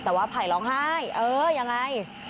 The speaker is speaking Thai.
แต่ว่าไผ่ร้องไห้เออยังไง